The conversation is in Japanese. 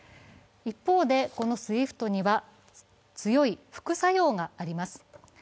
一方で、このＳＷＩＦＴには強い副作用があります。